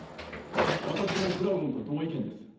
私もフラゴンと同意見です。